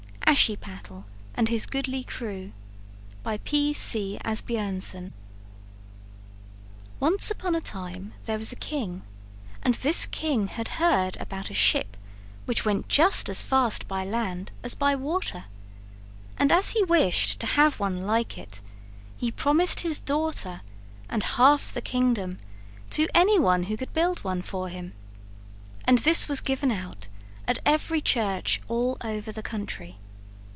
ASHIEPATTLE AND HIS GOODLY CREW By P. C. Asbjörnsen Once upon a time there was a king, and this king had heard about a ship which went just as fast by land as by water; and as he wished to have one like it, he promised his daughter and half the kingdom to anyone who could build one for him. And this was given out at every church all over the country.